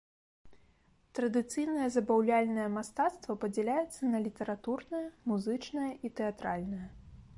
Традыцыйнае забаўляльнае мастацтва падзяляецца на літаратурнае, музычнае і тэатральнае.